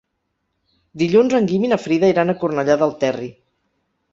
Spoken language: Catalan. Dilluns en Guim i na Frida iran a Cornellà del Terri.